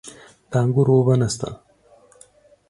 د انګورو اوبه نشته؟